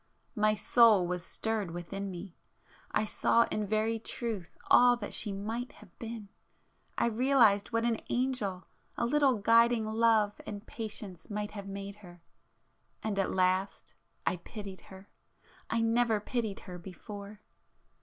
My soul was stirred within me, ... I saw in very truth all that she might have been,—I realized what an angel a little guiding love and patience might have made her, ... and at last I pitied her! I never pitied her before!